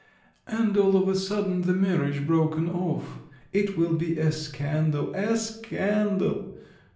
And all of a sudden, the marriage broken off! It will be a scandal, a scandal!